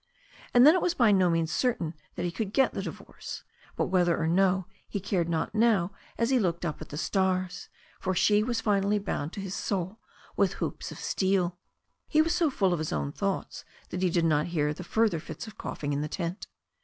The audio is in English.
And then it was by no means certain that he could get the divorce. But whether or no, he cared not now as he looked up at the stars, for she was finally bound to his soul with hoops of steel. He was so full of his own thoughts that he did not hear the further fits of coughing in the tent.